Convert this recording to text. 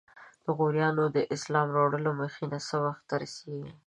د غوریانو د اسلام راوړلو مخینه څه وخت ته رسیږي؟